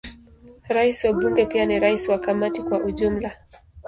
Rais wa Bunge pia ni rais wa Kamati kwa ujumla.